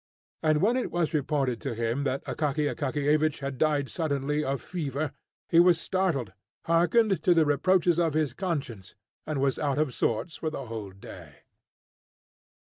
And when it was reported to him that Akaky Akakiyevich had died suddenly of fever, he was startled, hearkened to the reproaches of his conscience, and was out of sorts for the whole day.